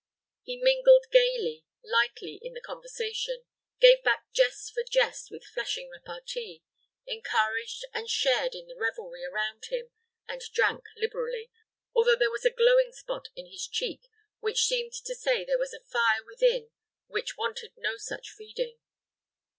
He mingled gayly, lightly in the conversation, gave back jest for jest with flashing repartee, encouraged and shared in the revelry around him, and drank liberally, although there was a glowing spot in his cheek which seemed to say there was a fire within which wanted no such feeding.